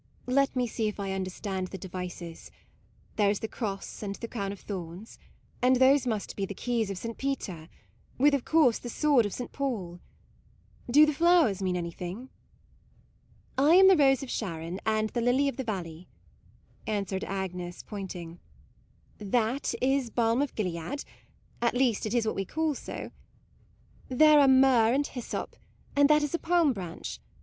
Let me see if I understand the devices. There is the cross and the crown of thorns ; and those must be the keys of St. Peter, with, of course, the sword of St. Paul. Do the flowers mean any thing? "" I am the Rose of Sharon and the Lily of the Valley," answered Agnes pointing :" That is balm of Gilead, at least it is what we call so; there 38 MAUDE are myrrh and hyssop, and that is a palm branch.